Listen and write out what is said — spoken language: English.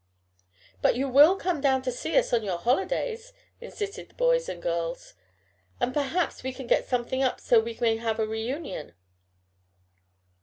"But you will come down to see us on your holidays," insisted the boys and girls, "and perhaps we can get something up so that we may have a reunion."